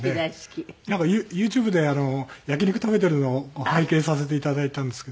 ＹｏｕＴｕｂｅで焼き肉食べてるのを拝見させていただいたんですけど。